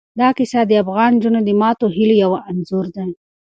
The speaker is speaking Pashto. دا کیسه د افغان نجونو د ماتو هیلو یو انځور دی.